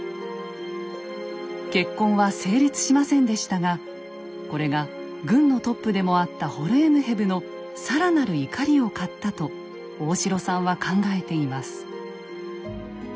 結婚は成立しませんでしたがこれが軍のトップでもあったホルエムヘブの更なる怒りを買ったと大城さんは考えています。